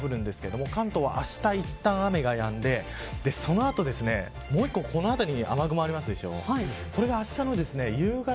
東北はその後も降るんですが関東はあしたはいったん雨がやんでもう一つ、この辺りに雨雲がありますでしょ。